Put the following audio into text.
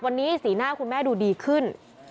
วันนี้สีหน้าคุณแม่ดูดีขึ้น